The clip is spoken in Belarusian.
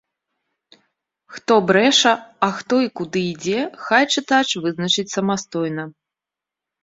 Хто брэша, а хто і куды ідзе, хай чытач вызначыць самастойна.